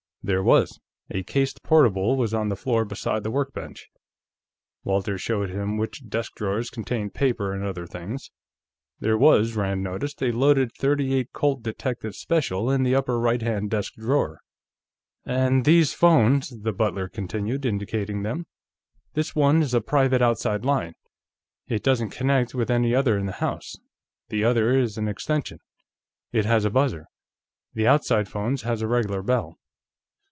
There was: a cased portable was on the floor beside the workbench. Walters showed him which desk drawers contained paper and other things. There was, Rand noticed, a loaded .38 Colt Detective Special, in the upper right hand desk drawer. "And these phones," the butler continued, indicating them. "This one is a private outside phone; it doesn't connect with any other in the house. The other is an extension. It has a buzzer; the outside phone has a regular bell."